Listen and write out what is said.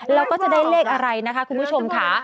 แล้วก็จะได้เลขอะไรนะคะคุณผู้ชมค่ะ